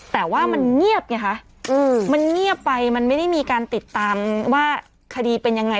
แต่ว่ามันเงียบไงคะมันเงียบไปมันไม่ได้มีการติดตามว่าคดีเป็นยังไง